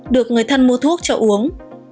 được người thân mua thuốc cho uống